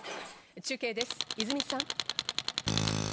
中継です、泉さん。